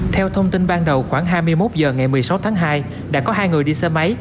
theo thông tin ban đầu khoảng hai mươi một h ngày một mươi sáu tháng hai đã có hai người đi xe máy